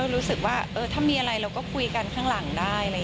รู้สึกว่าถ้ามีอะไรเราก็คุยกันข้างหลังได้